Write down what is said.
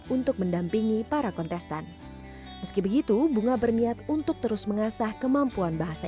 untuk mendampingi para kontestan meski begitu bunga berniat untuk terus mengasah kemampuan bahasa